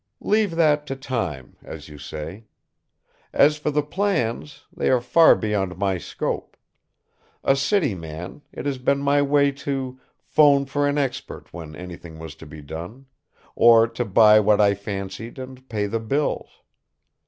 "Leave that to time, as you say! As for the plans, they are far beyond my scope. A city man, it has been my way to 'phone for an expert when anything was to be done, or to buy what I fancied and pay the bills.